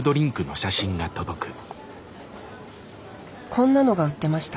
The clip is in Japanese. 「こんなのが売ってました。